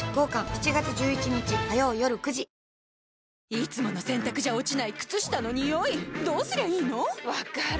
いつもの洗たくじゃ落ちない靴下のニオイどうすりゃいいの⁉分かる。